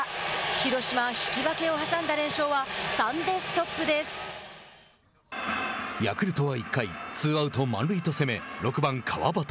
広島は引き分けを挟んだ連勝はヤクルトは１回ツーアウト、満塁と攻め６番川端。